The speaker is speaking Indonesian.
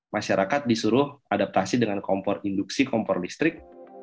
masyarakat disuruh adaptasi dengan kompor induksi kompor listrik